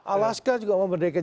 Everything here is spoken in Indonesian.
alaska juga mau merdeka